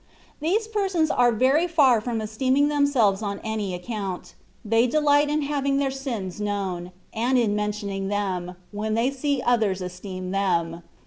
These persons are very far from esteeming themselves on any ac count ; they delight in having their sins known, and in mentioning them, when they see others esteem them.